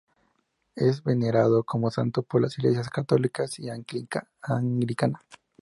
Es venerado como santo por las iglesias católica y anglicana.